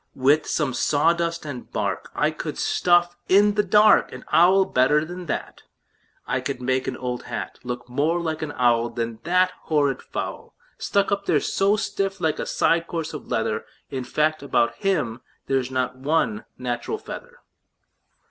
"With some sawdust and bark I could stuff in the dark An owl better than that. I could make an old hat Look more like an owl Than that horrid fowl, Stuck up there so stiff like a side of coarse leather. In fact, about him there's not one natural feather."